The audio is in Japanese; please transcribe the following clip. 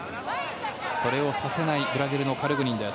それをさせないブラジルのカルグニンです。